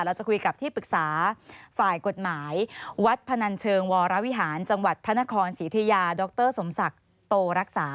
เราจะคุยกับที่ปรึกษาฝ่ายกฎหมายวัดพนันเชิงวรวิหารจังหวัดพระนครศรีธุยาดรสมศักดิ์โตรักษา